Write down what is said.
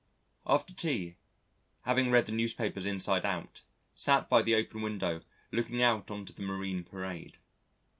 After tea, having read the newspapers inside out, sat by the open window looking out on to the Marine Parade.